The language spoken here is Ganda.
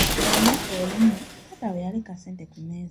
Olunaku olumu, taata we yaleka sente ku mmeeza.